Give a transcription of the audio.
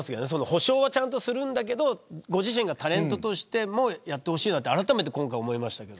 補償はちゃんとするんだけどご自身がタレントとしてもやってほしいとあらためて今回思いました。